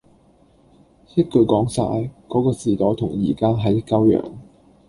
一句講晒，嗰個時代同依家係一鳩樣，